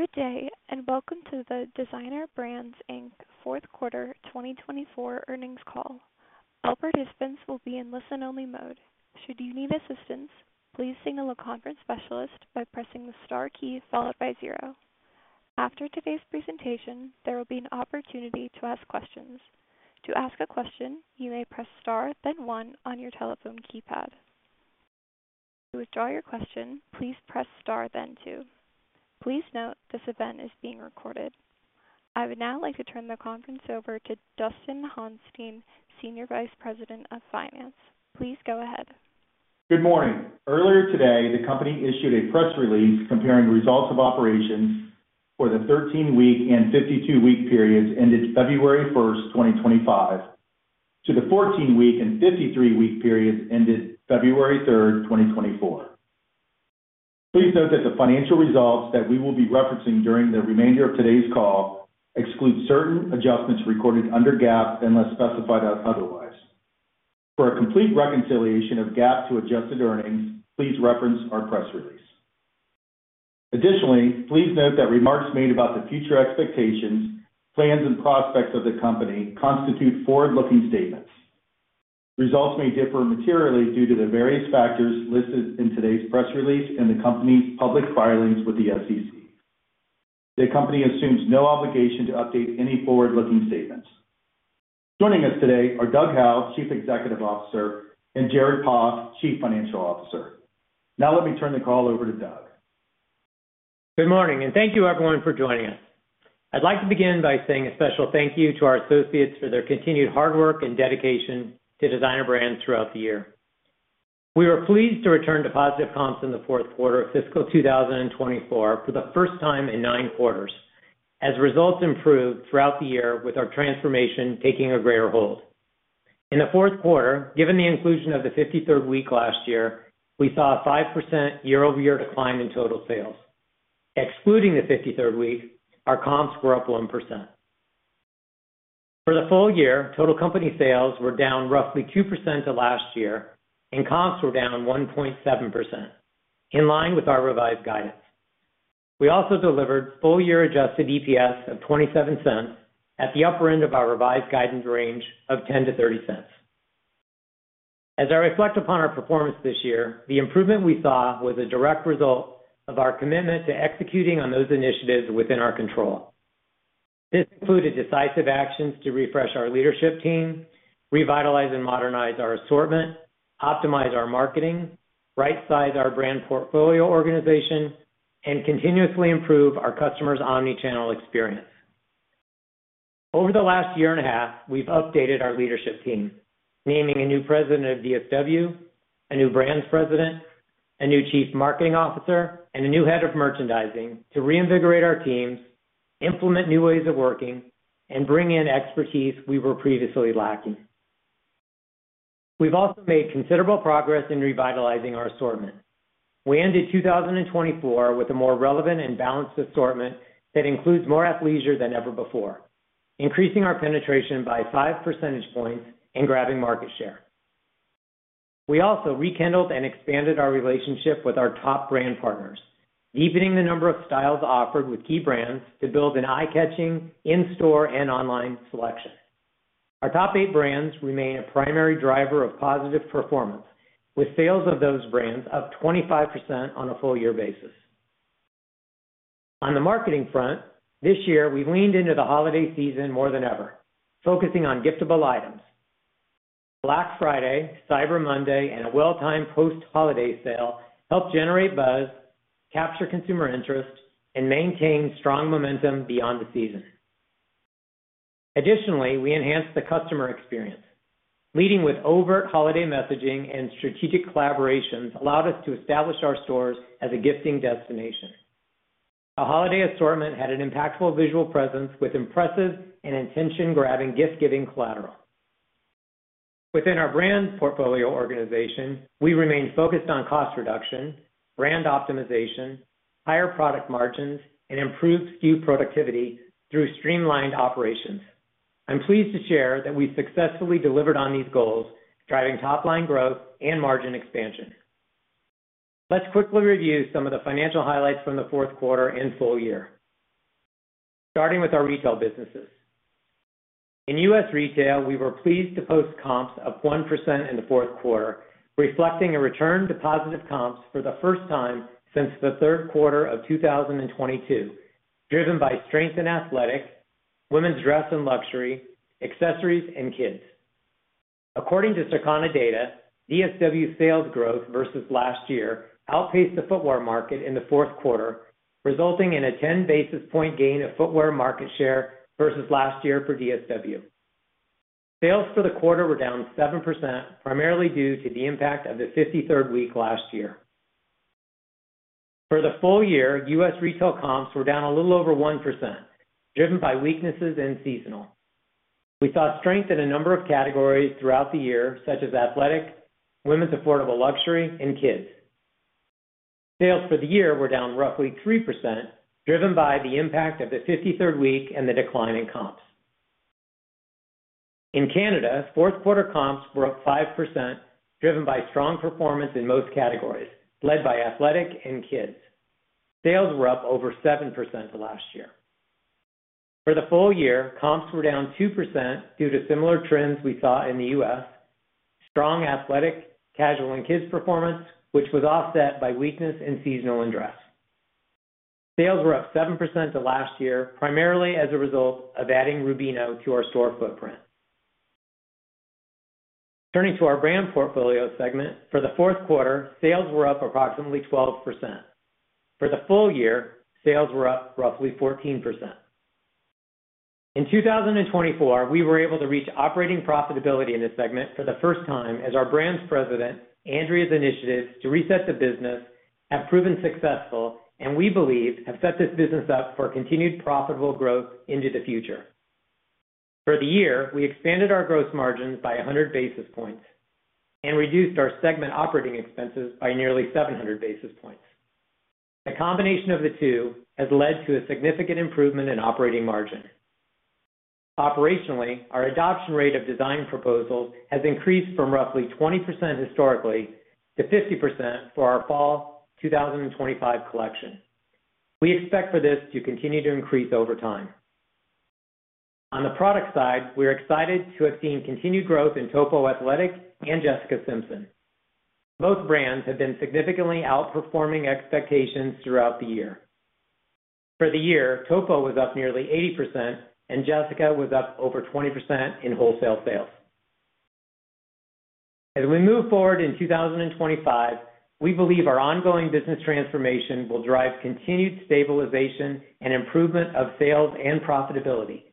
Good day, and welcome to the Designer Brands fourth quarter 2024 earnings call. All participants will be in listen-only mode. Should you need assistance, please signal a conference specialist by pressing the star key followed by zero. After today's presentation, there will be an opportunity to ask questions. To ask a question, you may press star, then one on your telephone keypad. To withdraw your question, please press star, then two. Please note this event is being recorded. I would now like to turn the conference over to Dustin Hauenstein, Senior Vice President of Finance. Please go ahead. Good morning. Earlier today, the company issued a press release comparing results of operations for the 13-week and 52-week periods ended February 1st, 2025, to the 14-week and 53-week periods ended February 3, 2024. Please note that the financial results that we will be referencing during the remainder of today's call exclude certain adjustments recorded under GAAP unless specified otherwise. For a complete reconciliation of GAAP to adjusted earnings, please reference our press release. Additionally, please note that remarks made about the future expectations, plans, and prospects of the company constitute forward-looking statements. Results may differ materially due to the various factors listed in today's press release and the company's public filings with the SEC. The company assumes no obligation to update any forward-looking statements. Joining us today are Doug Howe, Chief Executive Officer, and Jared Poff, Chief Financial Officer. Now let me turn the call over to Doug. Good morning, and thank you, everyone, for joining us. I'd like to begin by saying a special thank you to our associates for their continued hard work and dedication to Designer Brands throughout the year. We are pleased to return to positive comps in the fourth quarter of fiscal 2024 for the first time in nine quarters, as results improved throughout the year with our transformation taking a greater hold. In the fourth quarter, given the inclusion of the 53rd week last year, we saw a 5% year-over-year decline in total sales. Excluding the 53rd week, our comps were up 1%. For the full year, total company sales were down roughly 2% to last year, and comps were down 1.7%, in line with our revised guidance. We also delivered full-year adjusted EPS of $0.27 at the upper end of our revised guidance range of $0.10-$0.30. As I reflect upon our performance this year, the improvement we saw was a direct result of our commitment to executing on those initiatives within our control. This included decisive actions to refresh our leadership team, revitalize and modernize our assortment, optimize our marketing, right-size our brand portfolio organization, and continuously improve our customers' omnichannel experience. Over the last year and a half, we've updated our leadership team, naming a new President of DSW, a new Brands President, a new Chief Marketing Officer, and a new Head of Merchandising to reinvigorate our teams, implement new ways of working, and bring in expertise we were previously lacking. We've also made considerable progress in revitalizing our assortment. We ended 2024 with a more relevant and balanced assortment that includes more athleisure than ever before, increasing our penetration by five percentage points and grabbing market share. We also rekindled and expanded our relationship with our top brand partners, deepening the number of styles offered with key brands to build an eye-catching in-store and online selection. Our top eight brands remain a primary driver of positive performance, with sales of those brands up 25% on a full-year basis. On the marketing front, this year, we leaned into the holiday season more than ever, focusing on giftable items. Black Friday, Cyber Monday, and a well-timed post-holiday sale helped generate buzz, capture consumer interest, and maintain strong momentum beyond the season. Additionally, we enhanced the customer experience. Leading with overt holiday messaging and strategic collaborations allowed us to establish our stores as a gifting destination. The holiday assortment had an impactful visual presence with impressive and attention-grabbing gift-giving collateral. Within our brand portfolio organization, we remained focused on cost reduction, brand optimization, higher product margins, and improved SKU productivity through streamlined operations. I'm pleased to share that we've successfully delivered on these goals, driving top-line growth and margin expansion. Let's quickly review some of the financial highlights from the fourth quarter and full year, starting with our retail businesses. In U.S. retail, we were pleased to post comps up 1% in the fourth quarter, reflecting a return to positive comps for the first time since the third quarter of 2022, driven by strength in athletic, women's dress and luxury, accessories, and kids. According to Circana data, DSW sales growth versus last year outpaced the footwear market in the fourth quarter, resulting in a 10 basis point gain of footwear market share versus last year for DSW. Sales for the quarter were down 7%, primarily due to the impact of the 53rd week last year. For the full year, U.S. retail comps were down a little over 1%, driven by weaknesses in seasonal. We saw strength in a number of categories throughout the year, such as athletic, women's affordable luxury, and kids. Sales for the year were down roughly 3%, driven by the impact of the 53rd week and the decline in comps. In Canada, fourth-quarter comps were up 5%, driven by strong performance in most categories, led by athletic and kids. Sales were up over 7% to last year. For the full year, comps were down 2% due to similar trends we saw in the U.S.: strong athletic, casual, and kids performance, which was offset by weakness in seasonal and dress. Sales were up 7% to last year, primarily as a result of adding Rubino to our store footprint. Turning to our brand portfolio segment, for the fourth quarter, sales were up approximately 12%. For the full year, sales were up roughly 14%. In 2024, we were able to reach operating profitability in this segment for the first time as our Brands President, Andrea's initiatives to reset the business have proven successful, and we believe have set this business up for continued profitable growth into the future. For the year, we expanded our gross margins by 100 basis points and reduced our segment operating expenses by nearly 700 basis points. The combination of the two has led to a significant improvement in operating margin. Operationally, our adoption rate of design proposals has increased from roughly 20% historically to 50% for our fall 2025 collection. We expect for this to continue to increase over time. On the product side, we're excited to have seen continued growth in Topo Athletic and Jessica Simpson. Both brands have been significantly outperforming expectations throughout the year. For the year, Topo was up nearly 80%, and Jessica was up over 20% in wholesale sales. As we move forward in 2025, we believe our ongoing business transformation will drive continued stabilization and improvement of sales and profitability,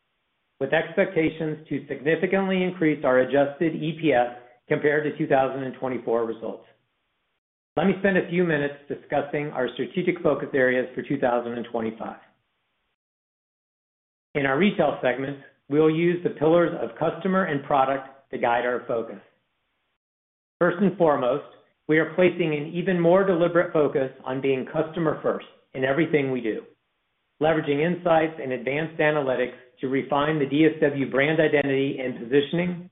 with expectations to significantly increase our adjusted EPS compared to 2024 results. Let me spend a few minutes discussing our strategic focus areas for 2025. In our retail segment, we'll use the pillars of customer and product to guide our focus. First and foremost, we are placing an even more deliberate focus on being customer-first in everything we do, leveraging insights and advanced analytics to refine the DSW brand identity and positioning,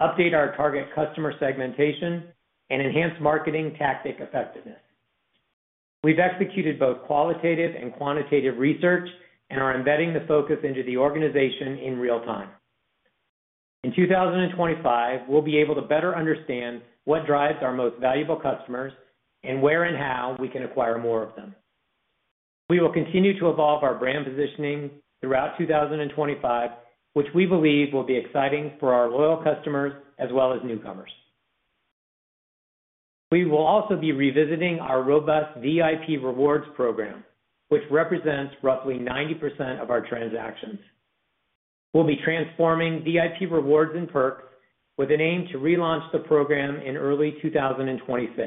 update our target customer segmentation, and enhance marketing tactic effectiveness. We've executed both qualitative and quantitative research and are embedding the focus into the organization in real time. In 2025, we'll be able to better understand what drives our most valuable customers and where and how we can acquire more of them. We will continue to evolve our brand positioning throughout 2025, which we believe will be exciting for our loyal customers as well as newcomers. We will also be revisiting our robust VIP Rewards program, which represents roughly 90% of our transactions. We'll be transforming VIP Rewards and perks with an aim to relaunch the program in early 2026.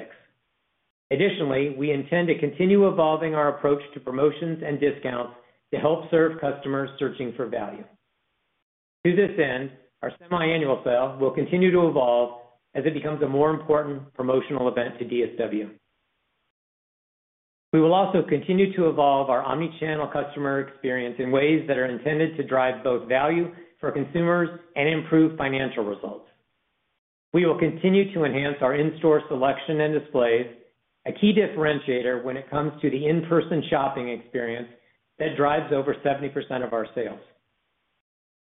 Additionally, we intend to continue evolving our approach to promotions and discounts to help serve customers searching for value. To this end, our semi-annual sale will continue to evolve as it becomes a more important promotional event to DSW. We will also continue to evolve our omnichannel customer experience in ways that are intended to drive both value for consumers and improve financial results. We will continue to enhance our in-store selection and displays, a key differentiator when it comes to the in-person shopping experience that drives over 70% of our sales.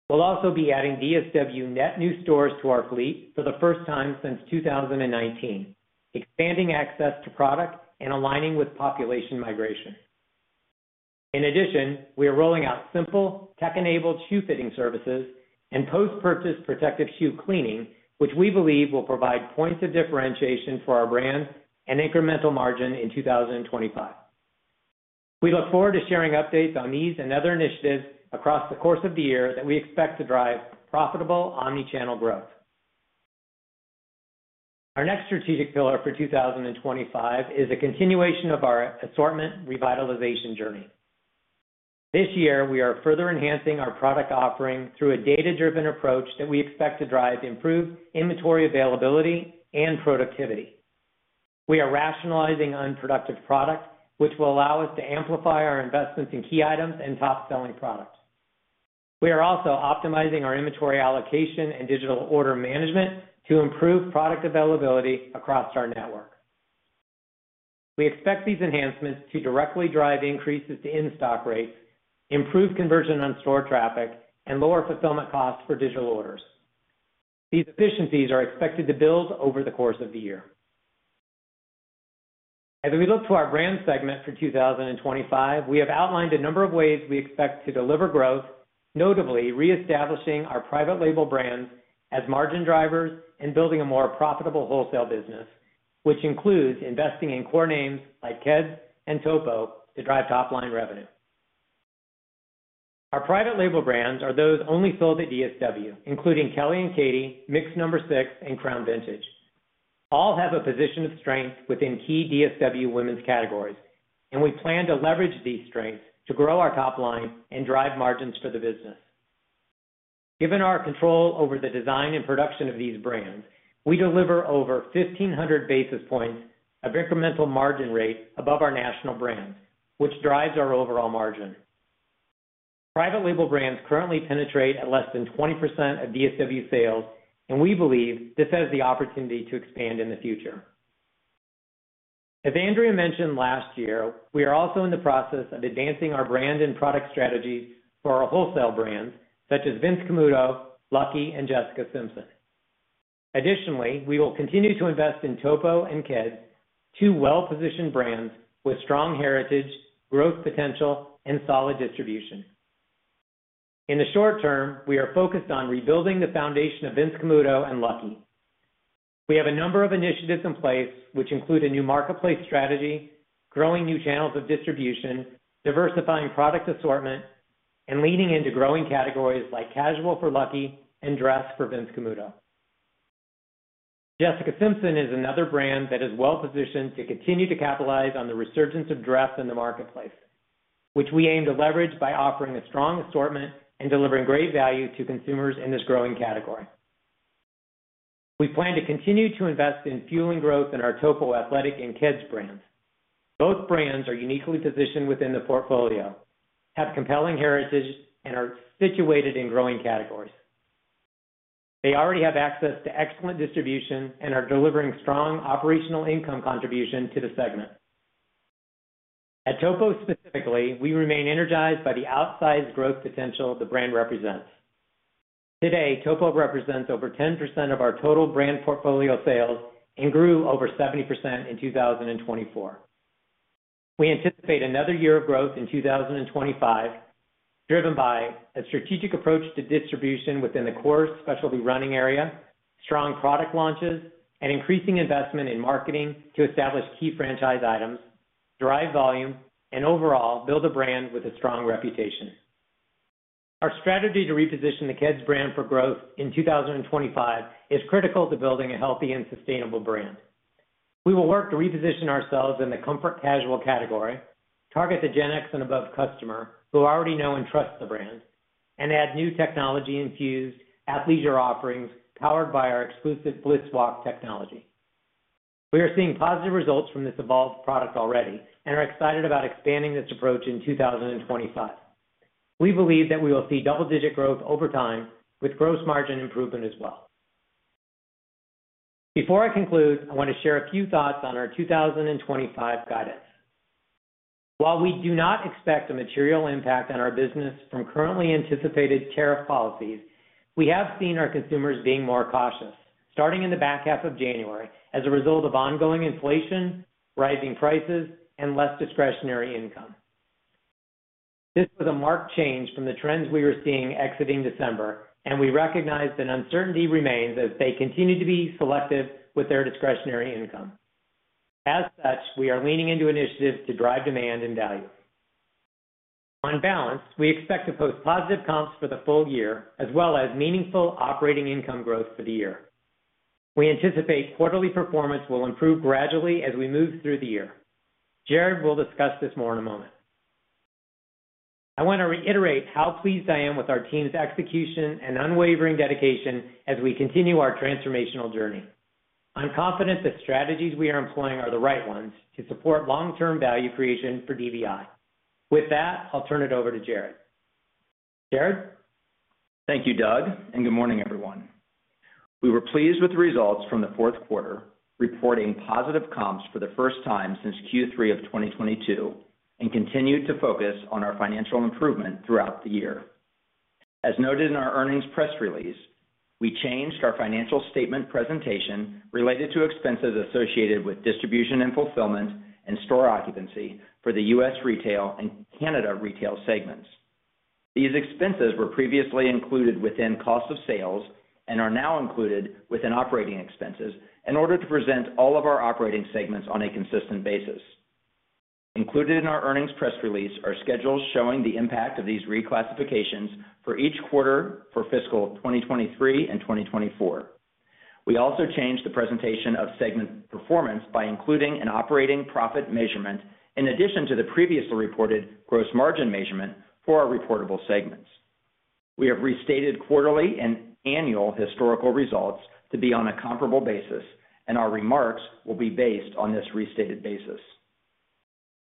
We'll also be adding DSW net new stores to our fleet for the first time since 2019, expanding access to product and aligning with population migration. In addition, we are rolling out simple, tech-enabled shoe fitting services and post-purchase protective shoe cleaning, which we believe will provide points of differentiation for our brand and incremental margin in 2025. We look forward to sharing updates on these and other initiatives across the course of the year that we expect to drive profitable omnichannel growth. Our next strategic pillar for 2025 is a continuation of our assortment revitalization journey. This year, we are further enhancing our product offering through a data-driven approach that we expect to drive improved inventory availability and productivity. We are rationalizing unproductive product, which will allow us to amplify our investments in key items and top-selling products. We are also optimizing our inventory allocation and digital order management to improve product availability across our network. We expect these enhancements to directly drive increases to in-stock rates, improve conversion on store traffic, and lower fulfillment costs for digital orders. These efficiencies are expected to build over the course of the year. As we look to our brand segment for 2025, we have outlined a number of ways we expect to deliver growth, notably reestablishing our private label brands as margin drivers and building a more profitable wholesale business, which includes investing in core names like Keds and Topo to drive top-line revenue. Our private label brands are those only sold at DSW, including Kelly & Katie, Mix No. 6, and Crown Vintage. All have a position of strength within key DSW women's categories, and we plan to leverage these strengths to grow our top line and drive margins for the business. Given our control over the design and production of these brands, we deliver over 1,500 basis points of incremental margin rate above our national brands, which drives our overall margin. Private label brands currently penetrate at less than 20% of DSW sales, and we believe this has the opportunity to expand in the future. As Andrea mentioned last year, we are also in the process of advancing our brand and product strategies for our wholesale brands, such as Vince Camuto, Lucky, and Jessica Simpson. Additionally, we will continue to invest in Topo and Keds, two well-positioned brands with strong heritage, growth potential, and solid distribution. In the short term, we are focused on rebuilding the foundation of Vince Camuto and Lucky. We have a number of initiatives in place, which include a new marketplace strategy, growing new channels of distribution, diversifying product assortment, and leaning into growing categories like casual for Lucky and dress for Vince Camuto. Jessica Simpson is another brand that is well-positioned to continue to capitalize on the resurgence of dress in the marketplace, which we aim to leverage by offering a strong assortment and delivering great value to consumers in this growing category. We plan to continue to invest in fueling growth in our Topo Athletic and Keds brands. Both brands are uniquely positioned within the portfolio, have compelling heritage, and are situated in growing categories. They already have access to excellent distribution and are delivering strong operational income contribution to the segment. At Topo specifically, we remain energized by the outsized growth potential the brand represents. Today, Topo represents over 10% of our total brand portfolio sales and grew over 70% in 2024. We anticipate another year of growth in 2025, driven by a strategic approach to distribution within the core specialty running area, strong product launches, and increasing investment in marketing to establish key franchise items, drive volume, and overall build a brand with a strong reputation. Our strategy to reposition the Keds brand for growth in 2025 is critical to building a healthy and sustainable brand. We will work to reposition ourselves in the comfort casual category, target the Gen X and above customer who already know and trust the brand, and add new technology-infused athleisure offerings powered by our exclusive Blitz Walk technology. We are seeing positive results from this evolved product already and are excited about expanding this approach in 2025. We believe that we will see double-digit growth over time with gross margin improvement as well. Before I conclude, I want to share a few thoughts on our 2025 guidance. While we do not expect a material impact on our business from currently anticipated tariff policies, we have seen our consumers being more cautious, starting in the back half of January as a result of ongoing inflation, rising prices, and less discretionary income. This was a marked change from the trends we were seeing exiting December, and we recognize that uncertainty remains as they continue to be selective with their discretionary income. As such, we are leaning into initiatives to drive demand and value. On balance, we expect to post positive comps for the full year as well as meaningful operating income growth for the year. We anticipate quarterly performance will improve gradually as we move through the year. Jared will discuss this more in a moment. I want to reiterate how pleased I am with our team's execution and unwavering dedication as we continue our transformational journey. I'm confident the strategies we are employing are the right ones to support long-term value creation for DSW. With that, I'll turn it over to Jared. Jared? Thank you, Doug, and good morning, everyone. We were pleased with the results from the fourth quarter, reporting positive comps for the first time since Q3 of 2022, and continued to focus on our financial improvement throughout the year. As noted in our earnings press release, we changed our financial statement presentation related to expenses associated with distribution and fulfillment and store occupancy for the U.S. retail and Canada retail segments. These expenses were previously included within cost of sales and are now included within operating expenses in order to present all of our operating segments on a consistent basis. Included in our earnings press release are schedules showing the impact of these reclassifications for each quarter for fiscal 2023 and 2024. We also changed the presentation of segment performance by including an operating profit measurement in addition to the previously reported gross margin measurement for our reportable segments. We have restated quarterly and annual historical results to be on a comparable basis, and our remarks will be based on this restated basis.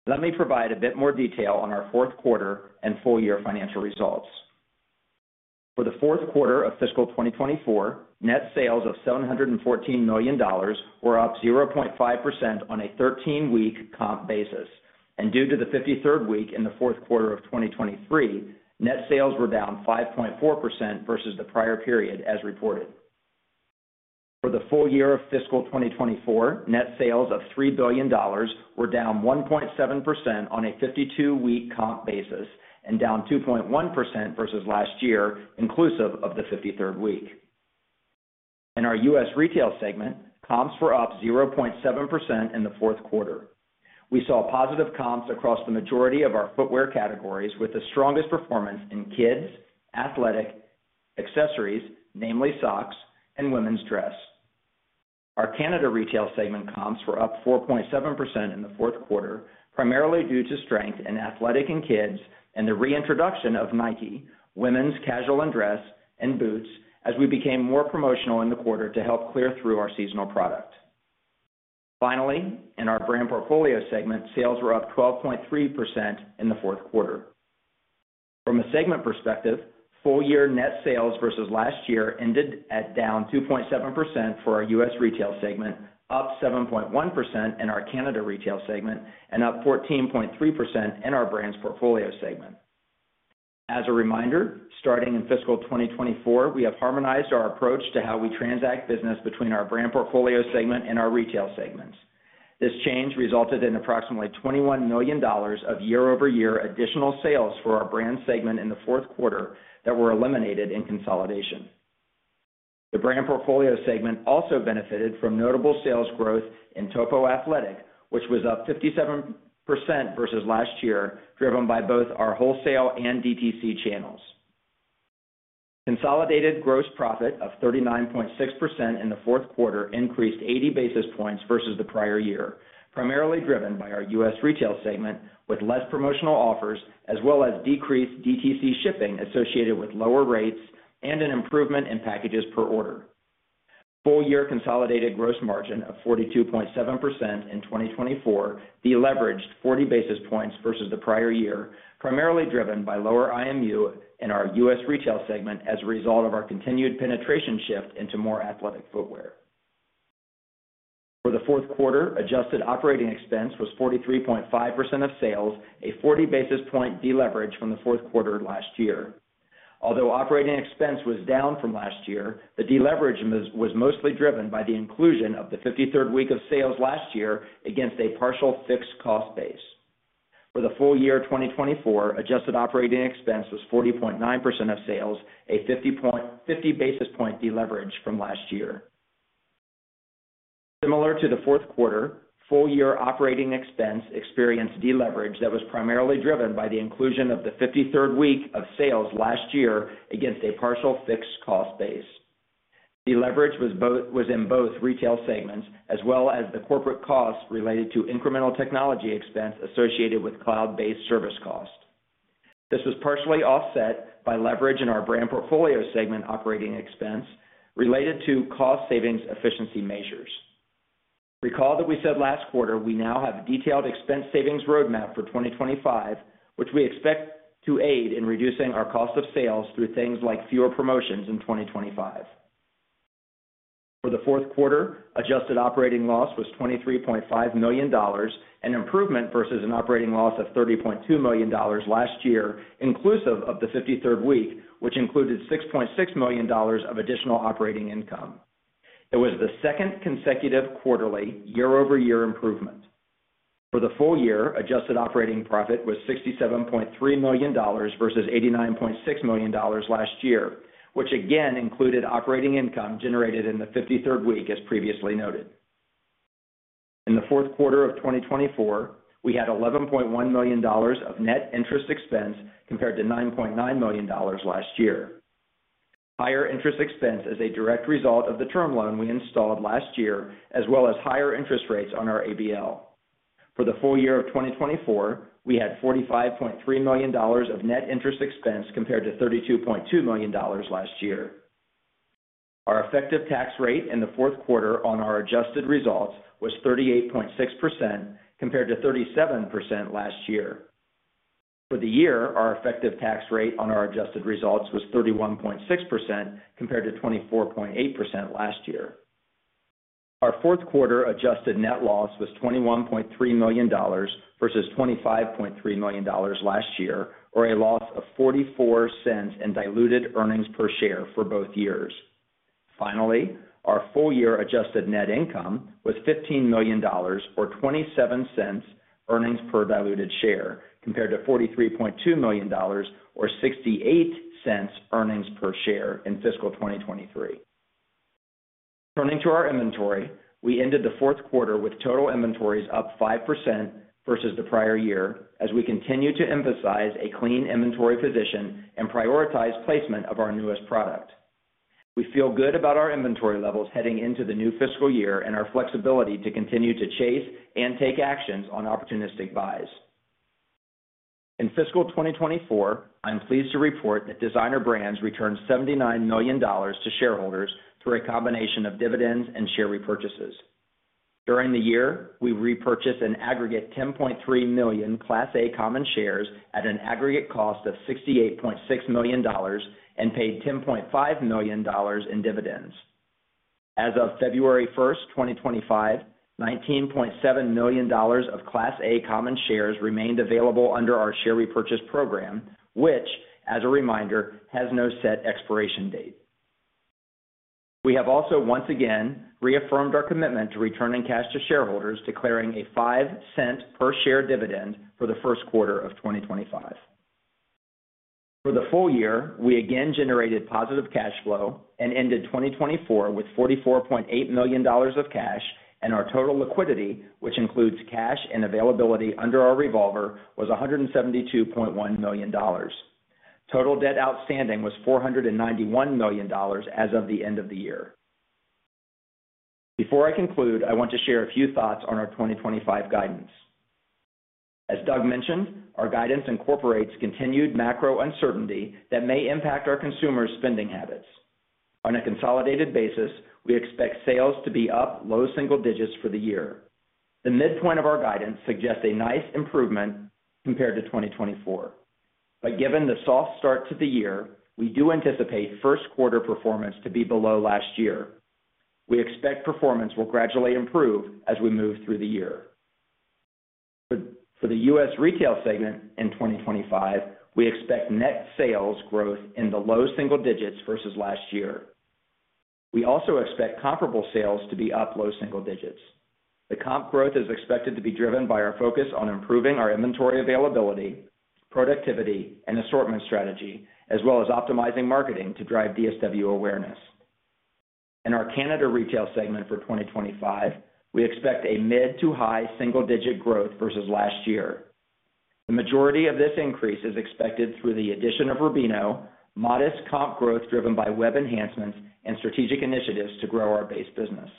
Let me provide a bit more detail on our fourth quarter and full-year financial results. For the fourth quarter of fiscal 2024, net sales of $714 million were up 0.5% on a 13-week comp basis, and due to the 53rd week in the fourth quarter of 2023, net sales were down 5.4% versus the prior period as reported. For the full year of fiscal 2024, net sales of $3 billion were down 1.7% on a 52-week comp basis and down 2.1% versus last year, inclusive of the 53rd week. In our U.S. retail segment, comps were up 0.7% in the fourth quarter. We saw positive comps across the majority of our footwear categories with the strongest performance in Kids, Athletic, Accessories, namely socks, and Women's Dress. Our Canada retail segment comps were up 4.7% in the fourth quarter, primarily due to strength in Athletic and Kids and the reintroduction of Nike, Women's Casual and Dress, and Boots as we became more promotional in the quarter to help clear through our seasonal product. Finally, in our brand portfolio segment, sales were up 12.3% in the fourth quarter. From a segment perspective, full-year net sales versus last year ended at down 2.7% for our U.S. retail segment, up 7.1% in our Canada retail segment, and up 14.3% in our brand's portfolio segment. As a reminder, starting in fiscal 2024, we have harmonized our approach to how we transact business between our brand portfolio segment and our retail segments. This change resulted in approximately $21 million of year-over-year additional sales for our brand segment in the fourth quarter that were eliminated in consolidation. The brand portfolio segment also benefited from notable sales growth in Topo Athletic, which was up 57% versus last year, driven by both our wholesale and DTC channels. Consolidated gross profit of 39.6% in the fourth quarter increased 80 basis points versus the prior year, primarily driven by our U.S. retail segment with less promotional offers as well as decreased DTC shipping associated with lower rates and an improvement in packages per order. Full-year consolidated gross margin of 42.7% in 2024 deleveraged 40 basis points versus the prior year, primarily driven by lower IMU in our U.S. retail segment as a result of our continued penetration shift into more athletic footwear. For the fourth quarter, adjusted operating expense was 43.5% of sales, a 40 basis point deleverage from the fourth quarter last year. Although operating expense was down from last year, the deleverage was mostly driven by the inclusion of the 53rd week of sales last year against a partial fixed cost base. For the full year 2024, adjusted operating expense was 40.9% of sales, a 50 basis point deleverage from last year. Similar to the fourth quarter, full-year operating expense experienced deleverage that was primarily driven by the inclusion of the 53rd week of sales last year against a partial fixed cost base. Deleverage was in both retail segments as well as the corporate costs related to incremental technology expense associated with cloud-based service cost. This was partially offset by leverage in our brand portfolio segment operating expense related to cost savings efficiency measures. Recall that we said last quarter we now have a detailed expense savings roadmap for 2025, which we expect to aid in reducing our cost of sales through things like fewer promotions in 2025. For the fourth quarter, adjusted operating loss was $23.5 million, an improvement versus an operating loss of $30.2 million last year, inclusive of the 53rd week, which included $6.6 million of additional operating income. It was the second consecutive quarterly year-over-year improvement. For the full year, adjusted operating profit was $67.3 million versus $89.6 million last year, which again included operating income generated in the 53rd week as previously noted. In the fourth quarter of 2024, we had $11.1 million of net interest expense compared to $9.9 million last year. Higher interest expense is a direct result of the term loan we installed last year, as well as higher interest rates on our ABL. For the full year of 2024, we had $45.3 million of net interest expense compared to $32.2 million last year. Our effective tax rate in the fourth quarter on our adjusted results was 38.6% compared to 37% last year. For the year, our effective tax rate on our adjusted results was 31.6% compared to 24.8% last year. Our fourth quarter adjusted net loss was $21.3 million versus $25.3 million last year, or a loss of $0.44 in diluted earnings per share for both years. Finally, our full-year adjusted net income was $15 million, or $0.27 earnings per diluted share, compared to $43.2 million, or $0.68 earnings per share in fiscal 2023. Turning to our inventory, we ended the fourth quarter with total inventories up 5% versus the prior year as we continue to emphasize a clean inventory position and prioritize placement of our newest product. We feel good about our inventory levels heading into the new fiscal year and our flexibility to continue to chase and take actions on opportunistic buys. In fiscal 2024, I'm pleased to report that Designer Brands returned $79 million to shareholders through a combination of dividends and share repurchases. During the year, we repurchased an aggregate 10.3 million Class A common shares at an aggregate cost of $68.6 million and paid $10.5 million in dividends. As of February 1, 2025, $19.7 million of Class A common shares remained available under our share repurchase program, which, as a reminder, has no set expiration date. We have also once again reaffirmed our commitment to returning cash to shareholders, declaring a $0.05 per share dividend for the first quarter of 2025. For the full year, we again generated positive cash flow and ended 2024 with $44.8 million of cash, and our total liquidity, which includes cash and availability under our revolver, was $172.1 million. Total debt outstanding was $491 million as of the end of the year. Before I conclude, I want to share a few thoughts on our 2025 guidance. As Doug mentioned, our guidance incorporates continued macro uncertainty that may impact our consumers' spending habits. On a consolidated basis, we expect sales to be up low single digits for the year. The midpoint of our guidance suggests a nice improvement compared to 2024. Given the soft start to the year, we do anticipate first quarter performance to be below last year. We expect performance will gradually improve as we move through the year. For the U.S. retail segment in 2025, we expect net sales growth in the low single digits versus last year. We also expect comparable sales to be up low single digits. The comp growth is expected to be driven by our focus on improving our inventory availability, productivity, and assortment strategy, as well as optimizing marketing to drive DSW awareness. In our Canada retail segment for 2025, we expect a mid to high single-digit growth versus last year. The majority of this increase is expected through the addition of Rubino, modest comp growth driven by web enhancements and strategic initiatives to grow our base business.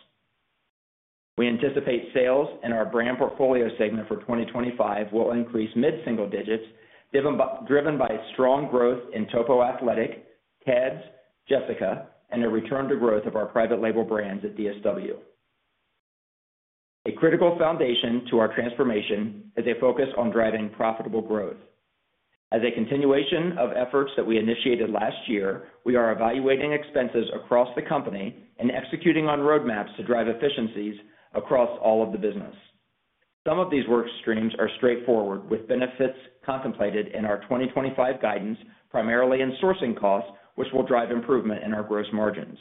We anticipate sales in our brand portfolio segment for 2025 will increase mid-single digits, driven by strong growth in Topo Athletic, Keds, Jessica Simpson, and a return to growth of our private label brands at DSW. A critical foundation to our transformation is a focus on driving profitable growth. As a continuation of efforts that we initiated last year, we are evaluating expenses across the company and executing on roadmaps to drive efficiencies across all of the business. Some of these work streams are straightforward, with benefits contemplated in our 2025 guidance, primarily in sourcing costs, which will drive improvement in our gross margins.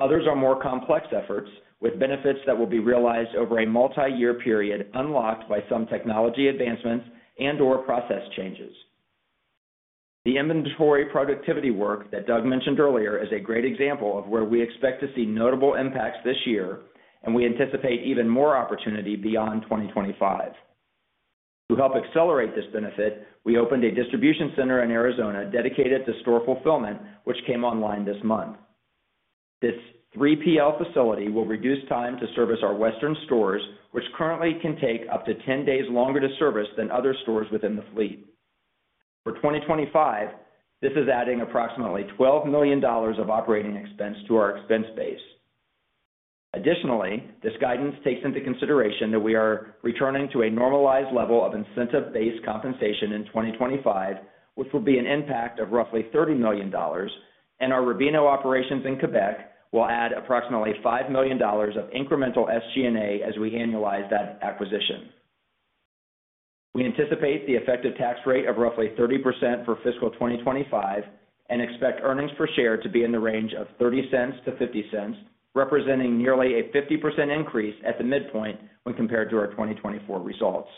Others are more complex efforts, with benefits that will be realized over a multi-year period unlocked by some technology advancements and/or process changes. The inventory productivity work that Doug mentioned earlier is a great example of where we expect to see notable impacts this year, and we anticipate even more opportunity beyond 2025. To help accelerate this benefit, we opened a distribution center in Arizona dedicated to store fulfillment, which came online this month. This 3PL facility will reduce time to service our western stores, which currently can take up to 10 days longer to service than other stores within the fleet. For 2025, this is adding approximately $12 million of operating expense to our expense base. Additionally, this guidance takes into consideration that we are returning to a normalized level of incentive-based compensation in 2025, which will be an impact of roughly $30 million, and our Rubino operations in Quebec will add approximately $5 million of incremental SG&A as we annualize that acquisition. We anticipate the effective tax rate of roughly 30% for fiscal 2025 and expect earnings per share to be in the range of $0.30-$0.50, representing nearly a 50% increase at the midpoint when compared to our 2024 results.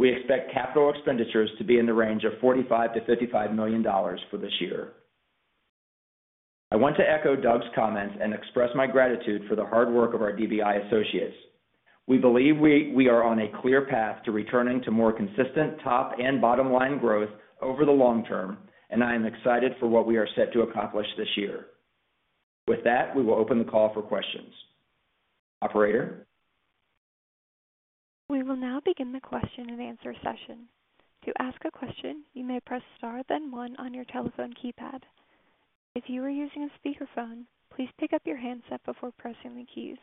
We expect capital expenditures to be in the range of $45 million-$55 million for this year. I want to echo Doug's comments and express my gratitude for the hard work of our DBI associates. We believe we are on a clear path to returning to more consistent top and bottom line growth over the long term, and I am excited for what we are set to accomplish this year. With that, we will open the call for questions. Operator. We will now begin the question and answer session. To ask a question, you may press star then one on your telephone keypad. If you are using a speakerphone, please pick up your handset before pressing the keys.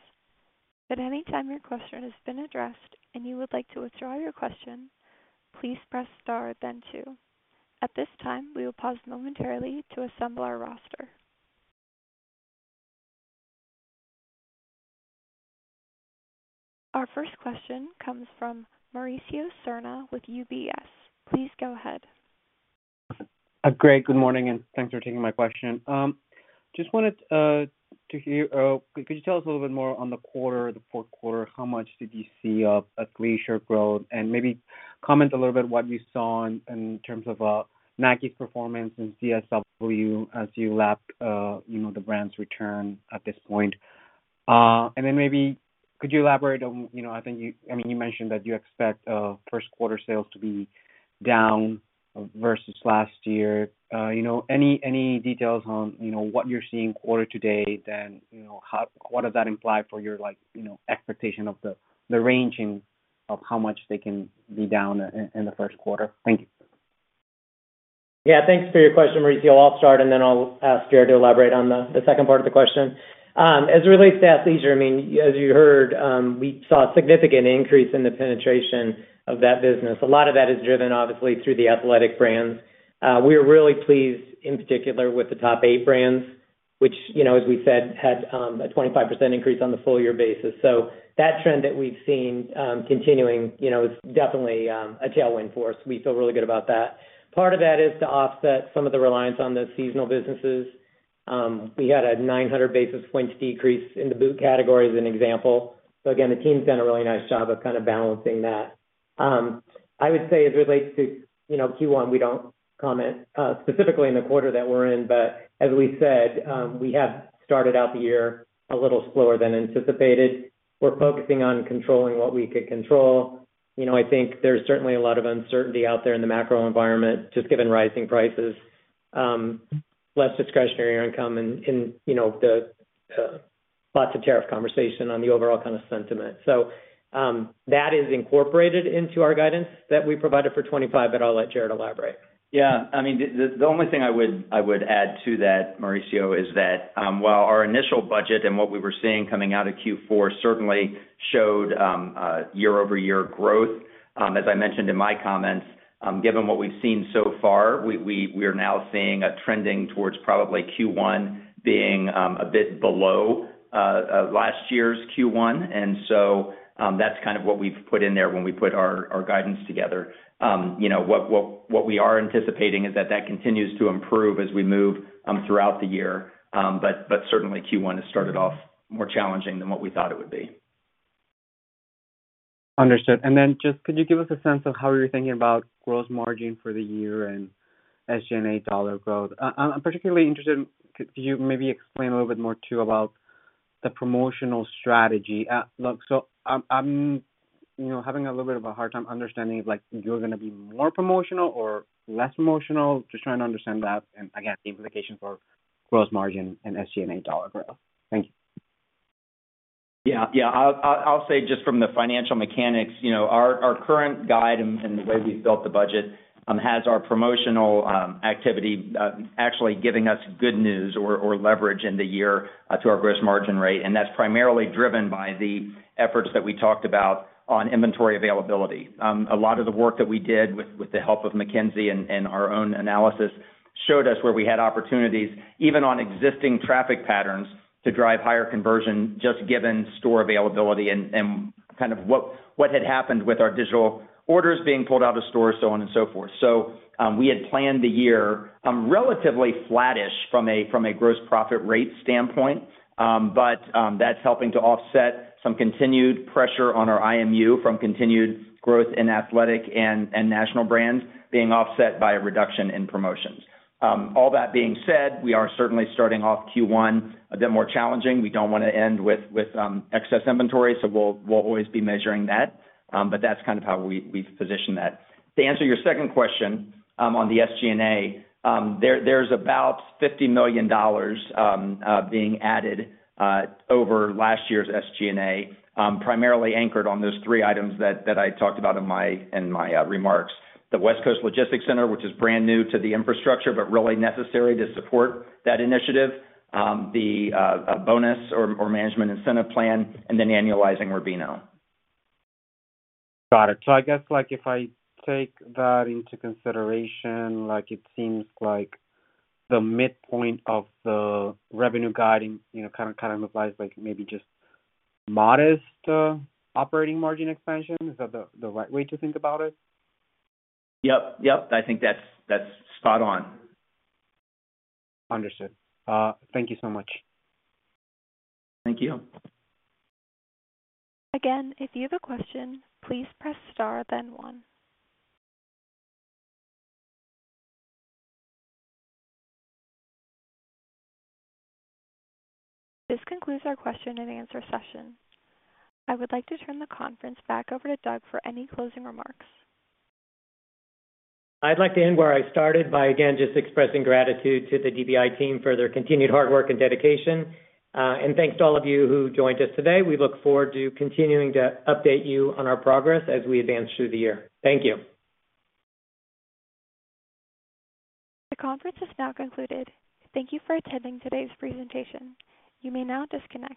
At any time your question has been addressed and you would like to withdraw your question, please press star then two. At this time, we will pause momentarily to assemble our roster. Our first question comes from Mauricio Serna with UBS. Please go ahead. Great. Good morning and thanks for taking my question. Just wanted to hear, could you tell us a little bit more on the quarter, the fourth quarter, how much did you see athleisur growth and maybe comment a little bit what you saw in terms of Nike's performance and DSW as you lap the brand's return at this point? Maybe could you elaborate on, I think you mentioned that you expect first quarter sales to be down versus last year. Any details on what you're seeing quarter to date then? What does that imply for your expectation of the ranging of how much they can be down in the first quarter? Thank you. Yeah, thanks for your question, Mauricio. I'll start and then I'll ask Jared to elaborate on the second part of the question. As it relates to athleisure, I mean, as you heard, we saw a significant increase in the penetration of that business. A lot of that is driven obviously through the athletic brands. We are really pleased in particular with the top eight brands, which, as we said, had a 25% increase on the full-year basis. That trend that we've seen continuing is definitely a tailwind for us. We feel really good about that. Part of that is to offset some of the reliance on the seasonal businesses. We had a 900 basis point decrease in the boot category as an example. Again, the team's done a really nice job of kind of balancing that. I would say as it relates to Q1, we do not comment specifically in the quarter that we are in, but as we said, we have started out the year a little slower than anticipated. We are focusing on controlling what we could control. I think there is certainly a lot of uncertainty out there in the macro environment just given rising prices, less discretionary income, and lots of tariff conversation on the overall kind of sentiment. That is incorporated into our guidance that we provided for 2025, but I will let Jared elaborate. Yeah. I mean, the only thing I would add to that, Mauricio, is that while our initial budget and what we were seeing coming out of Q4 certainly showed year-over-year growth, as I mentioned in my comments, given what we've seen so far, we are now seeing a trending towards probably Q1 being a bit below last year's Q1. That is kind of what we've put in there when we put our guidance together. What we are anticipating is that that continues to improve as we move throughout the year, but certainly Q1 has started off more challenging than what we thought it would be. Understood. Could you give us a sense of how you're thinking about gross margin for the year and SG&A dollar growth? I'm particularly interested in, could you maybe explain a little bit more too about the promotional strategy? I'm having a little bit of a hard time understanding if you're going to be more promotional or less promotional, just trying to understand that and, again, the implications for gross margin and SG&A dollar growth. Thank you. Yeah. Yeah. I'll say just from the financial mechanics, our current guide and the way we've built the budget has our promotional activity actually giving us good news or leverage in the year to our gross margin rate. And that's primarily driven by the efforts that we talked about on inventory availability. A lot of the work that we did with the help of McKinsey and our own analysis showed us where we had opportunities, even on existing traffic patterns, to drive higher conversion just given store availability and kind of what had happened with our digital orders being pulled out of stores, so on and so forth. We had planned the year relatively flattish from a gross profit rate standpoint, but that's helping to offset some continued pressure on our IMU from continued growth in athletic and national brands being offset by a reduction in promotions. All that being said, we are certainly starting off Q1 a bit more challenging. We do not want to end with excess inventory, so we will always be measuring that, but that's kind of how we've positioned that. To answer your second question on the SG&A, there's about $50 million being added over last year's SG&A, primarily anchored on those three items that I talked about in my remarks. The West Coast Logistics Center, which is brand new to the infrastructure, but really necessary to support that initiative, the bonus or management incentive plan, and then annualizing Rubino. Got it. I guess if I take that into consideration, it seems like the midpoint of the revenue guiding kind of implies maybe just modest operating margin expansion. Is that the right way to think about it? Yep. Yep. I think that's spot on. Understood. Thank you so much. Thank you. Again, if you have a question, please press star then one. This concludes our question and answer session. I would like to turn the conference back over to Doug for any closing remarks. I'd like to end where I started by, again, just expressing gratitude to the DBI team for their continued hard work and dedication. Thanks to all of you who joined us today. We look forward to continuing to update you on our progress as we advance through the year. Thank you. The conference has now concluded. Thank you for attending today's presentation. You may now disconnect.